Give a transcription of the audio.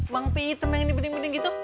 bang pi item yang ini bening bening gitu